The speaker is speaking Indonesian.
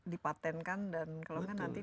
dipatentkan dan kalau nanti